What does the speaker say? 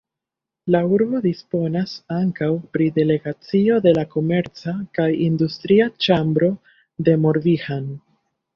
La urbo disponas ankaŭ pri delegacio de la komerca kaj industria ĉambro de Morbihan.